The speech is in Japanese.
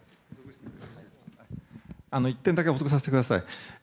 １点だけ補足させてください。